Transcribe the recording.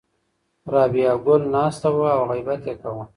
رابعه ګل ناسته وه او غیبت یې کاوه.